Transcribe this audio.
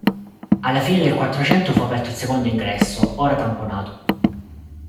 Alla fine del Quattrocento fu aperto il secondo ingresso, ora tamponato.